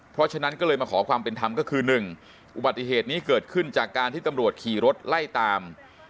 เพราะฉะนั้นก็เลยมาขอความเป็นธรรมก็คือ๑อุบัติเหตุนี้เกิดขึ้นจากการที่ตำรวจขี่รถไล่ตาม